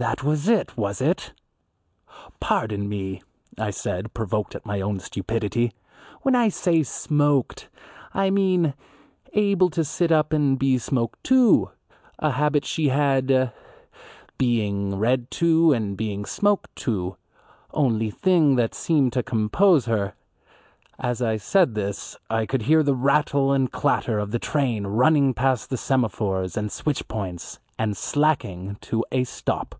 That was it, was it? "Pardon me," I said provoked at my own stupidity; "when I say smoked, I mean able to sit up and be smoked to, a habit she had, being read to, and being smoked to, only thing that seemed to compose her " As I said this I could hear the rattle and clatter of the train running past the semaphores and switch points and slacking to a stop.